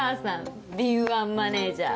敏腕マネジャー。